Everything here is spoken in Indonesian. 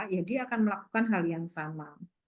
ya dia akan melakukan hal yang sama